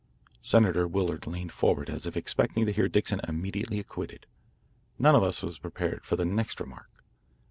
Senator Willard leaned forward as if expecting to hear Dixon immediately acquitted. None of us was prepared for the next remark.